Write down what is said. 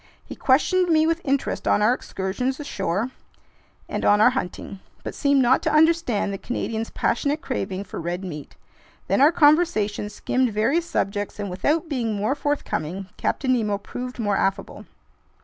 He questioned me with interest on our excursions ashore and on our hunting, but seemed not to understand the Canadian's passionate craving for red meat. Then our conversation skimmed various subjects, and without being more forthcoming, Captain Nemo proved more affable.